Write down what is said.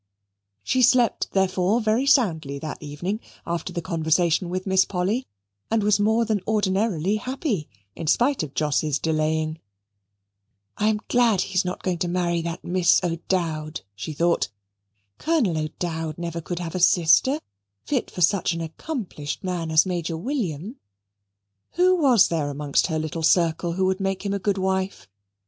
She slept, therefore, very soundly that evening, after the conversation with Miss Polly, and was more than ordinarily happy, in spite of Jos's delaying. "I am glad he is not going to marry that Miss O'Dowd," she thought. "Colonel O'Dowd never could have a sister fit for such an accomplished man as Major William." Who was there amongst her little circle who would make him a good wife?